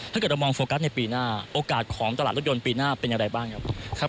ถ้าเกิดเรามองโฟกัสในปีหน้าโอกาสของตลาดรถยนต์ปีหน้าเป็นอย่างไรบ้างครับ